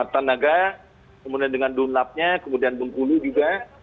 sepuluh tenaga kemudian dengan dunap nya kemudian bungkulu juga